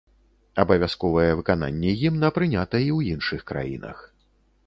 Абавязковае выкананне гімна прынята і ў іншых краінах.